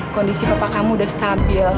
kondisi bapak kamu udah stabil